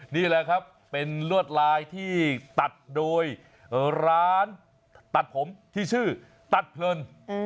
นี่แหละครับเป็นลวดลายที่ตัดโดยร้านตัดผมที่ชื่อตัดเพลิน